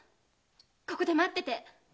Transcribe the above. ここで待ってて。